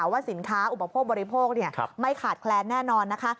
ว่าสินค้าอุปโภคบริโภคไม่ขาดแคลนแน่นอนนะคะ